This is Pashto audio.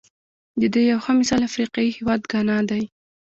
د دې یو ښه مثال افریقايي هېواد ګانا دی.